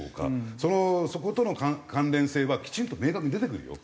そことの関連性はきちんと明確に出てくるよ。